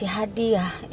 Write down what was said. iya kasih gue tante